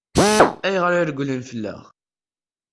Ayɣer i regglen fell-aɣ?